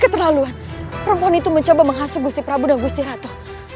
keterlaluan perempuan itu mencoba menghasut gusi prabu dan gusti ratu